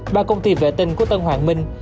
ba công ty vệ tinh của tân hoàng minh